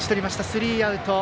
スリーアウト。